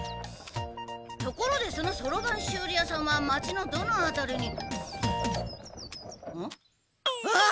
ところでそのそろばん修理屋さんは町のどのあたりにん？あ！？